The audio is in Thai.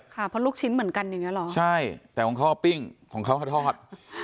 ค่ะเพราะลูกชิ้นเหมือนกันอย่างนี้หรอใช่แต่ของเขาปิ้งของเขาเขาทอด